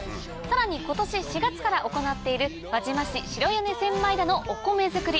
さらに今年４月から行っている輪島市白米千枚田のお米作り。